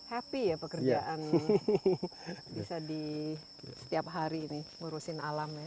happy ya pekerjaan bisa di setiap hari ini ngurusin alam ya